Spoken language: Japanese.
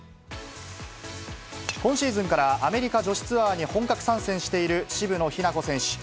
今シーズンから、アメリカ女子ツアーに本格参戦している渋野日向子選手。